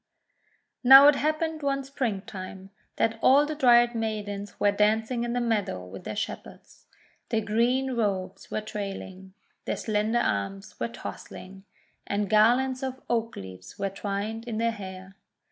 Now it happened one Springtime, that all the Dryad Maidens were dancing in the meadow with their Shepherds. Their green robes were trailing, their slender arms were tossing, and LITTLE WHITE DAISY 135 garlands of oak leaves were twined in their hair.